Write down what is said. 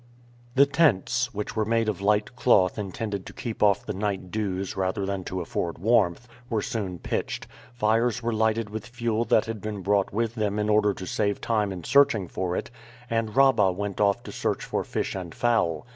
The tents, which were made of light cloth intended to keep off the night dews rather than to afford warmth, were soon pitched, fires were lighted with fuel that had been brought with them in order to save time in searching for it, and Rabah went off to search for fish and fowl.